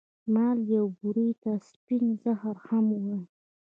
مالګې او بورې ته سپين زهر هم وايې